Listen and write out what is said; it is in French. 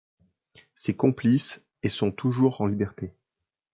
Ses complices et sont toujours en liberté.